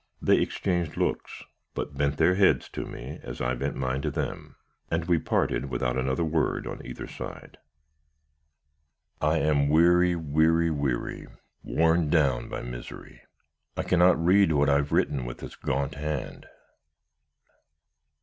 "They exchanged looks, but bent their heads to me as I bent mine to them, and we parted without another word on either side. "I am weary, weary, weary worn down by misery. I cannot read what I have written with this gaunt hand.